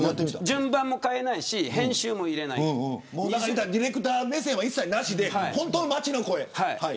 順番も変えないしディレクター目線は一切なしで本当の街の声。